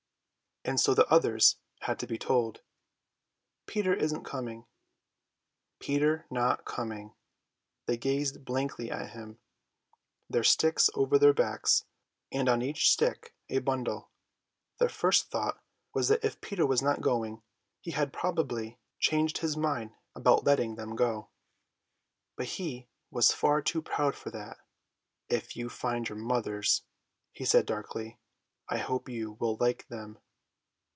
And so the others had to be told. "Peter isn't coming." Peter not coming! They gazed blankly at him, their sticks over their backs, and on each stick a bundle. Their first thought was that if Peter was not going he had probably changed his mind about letting them go. But he was far too proud for that. "If you find your mothers," he said darkly, "I hope you will like them."